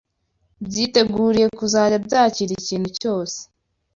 byiteguriye kuzajya byakira ikintu cyose